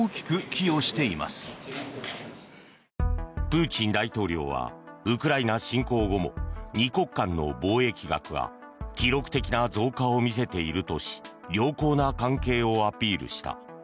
プーチン大統領はウクライナ侵攻後も２国間の貿易額が記録的な増加を見せているとし良好な関係をアピールした。